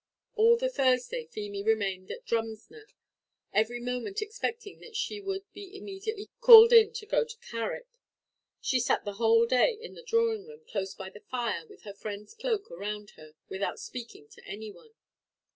All the Thursday Feemy remained at Drumsna, every moment expecting that she would be immediately called in to go to Carrick. She sat the whole day in the drawing room, close by the fire, with her friend's cloak around her, without speaking to any one.